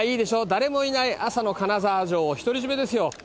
誰もいない朝の金沢城を独り占めですよ。